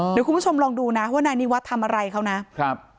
เดี๋ยวคุณผู้ชมลองดูนะว่านายนิวัฒน์ทำอะไรเขานะครับ